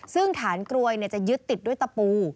ซึ่งฐานกลวยจะยึดติดด้วยตะปู